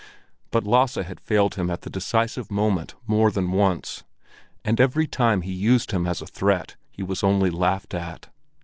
But Lasse had failed him at the decisive moment more than once, and every time he used him as a threat, he was only laughed at.